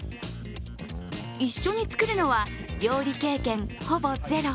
一緒に作るのは、料理経験ほぼゼロ。